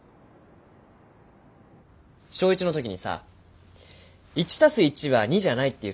小１の時にさ１＋１は２じゃないって言ったんだよ。